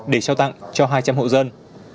để trao tặng cho hai trăm linh hộ dân